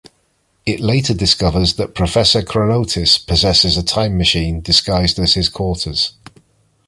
It later discovers that Professor Chronotis possesses a time machine disguised as his quarters.